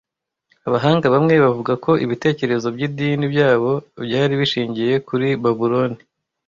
Abahanga bamwe bavuga ko ibitekerezo by’idini by’abo byari bishingiye kuri Babuloni